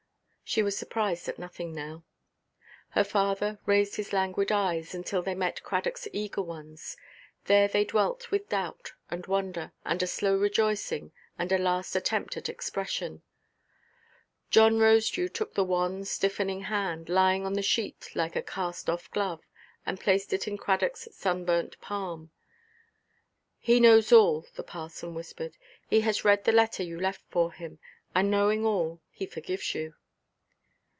She was surprised at nothing now. Her father raised his languid eyes, until they met Cradockʼs eager ones; there they dwelt with doubt, and wonder, and a slow rejoicing, and a last attempt at expression. John Rosedew took the wan stiffening hand, lying on the sheet like a cast–off glove, and placed it in Cradockʼs sunburnt palm. "He knows all," the parson whispered; "he has read the letter you left for him; and, knowing all, he forgives you."